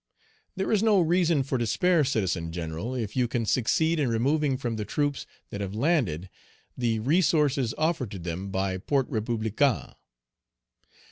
"There is no reason for despair, Citizen General, if you can succeed in removing from the troops that have landed the resources offered to them by Port Republican.